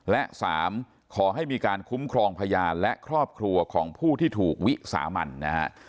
และ๓ขอให้มีการคุ้มครองพยานและครอบครัวของผู้ที่ถูกวิสามันนะฮะ